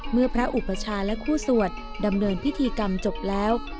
เมื่อพระอุปชาและคู่สวดดำเนินพิธีกรรมจบแล้ว